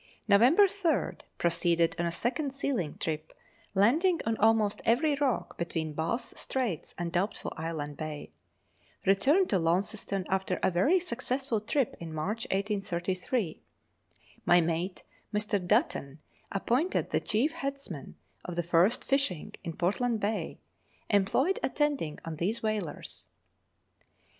November 3rd, proceeded on a second sealing trip, landing on almost every rock between Bass's Straits and Doubtful Island Bay ; returned to Launceston after a very successful trip in March 1833. My mate, Mr. Dutton, appointed the chief headsman of the first fishing in Portland Bay ; employed attending on these whalers.